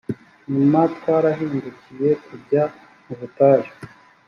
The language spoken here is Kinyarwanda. nyuma twarahindukiye tujya mu butayu